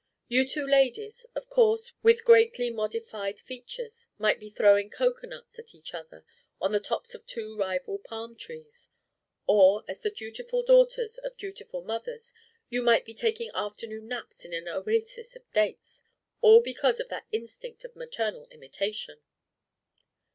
You two ladies of course with greatly modified features might be throwing cocoanuts at each other on the tops of two rival palm trees. Or as the dutiful daughters of dutiful mothers you might be taking afternoon naps in an oasis of dates all because of that instinct of maternal imitation!"